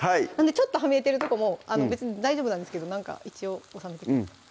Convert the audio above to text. ちょっとはみ出てるとこも別に大丈夫なんですけどなんか一応収めてください